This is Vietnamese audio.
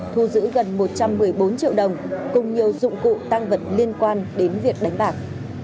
thu giữ gần một trăm một mươi bốn triệu đồng cùng nhiều dụng cụ tăng vật liên quan đến việc đánh bạc